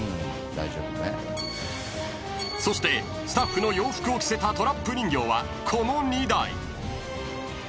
［そしてスタッフの洋服を着せたトラップ人形はこの２台］